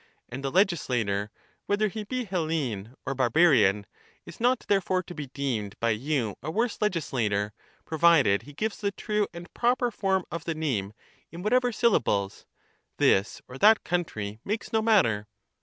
And the legislator, whether he be Hellene or bar barian, is not therefore to be deemed by you a worse legis lator, provided he gives the true and proper form of the name in whatever syllables ; this or that country makes no matter.